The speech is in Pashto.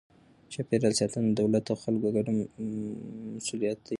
د چاپیریال ساتنه د دولت او خلکو ګډه مسئولیت دی.